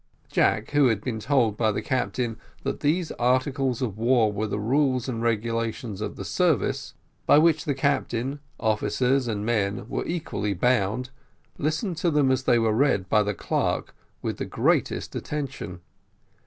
Jack, who had been told by the captain that these articles of war were the rules and regulations of the service, by which the captain, officers, and men were equally bound, listened to them as they were read by the clerk with the greatest attention.